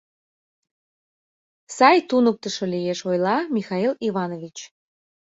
— Сай туныктышо лиеш, — ойла Михаил Иванович.